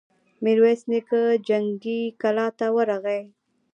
ميرويس نيکه جنګي کلا ته ورغی.